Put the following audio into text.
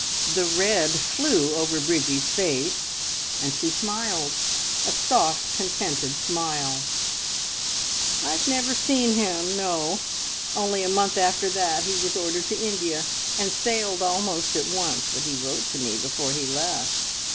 The red flew over Bridgie's face, and she smiled a soft, contented smile. "I have never seen him no! Only a month after that he was ordered to India, and sailed almost at once, but he wrote to me before he left.